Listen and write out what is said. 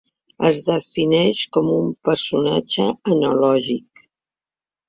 Es defineix com un personatge analògic.